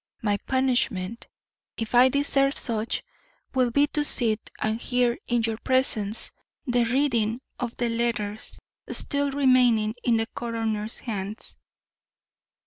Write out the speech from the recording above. My punishment, if I deserve such, will be to sit and hear in your presence the reading of the letters still remaining in the coroner's hands."